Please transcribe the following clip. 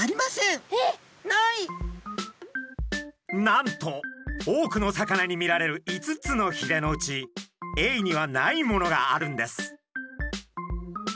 なんと多くの魚に見られる５つのひれのうちエイにはないものがあるんです！